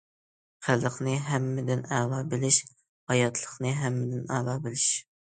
خەلقنى ھەممىدىن ئەلا بىلىش، ھاياتلىقنى ھەممىدىن ئەلا بىلىش.